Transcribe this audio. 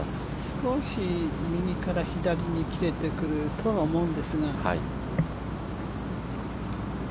少し右から左に切れてくるとは思うんですが。